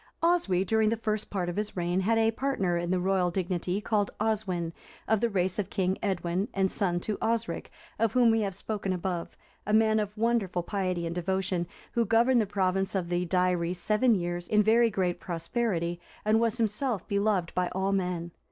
Oswy, during the first part of his reign, had a partner in the royal dignity called Oswin, of the race of King Edwin, and son to Osric(360) of whom we have spoken above, a man of wonderful piety and devotion, who governed the province of the Deiri seven years in very great prosperity, and was himself beloved by all men.